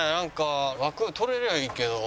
枠取れりゃいいけど。